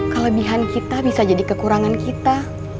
kelebihan kita bisa jadi kekurangan kita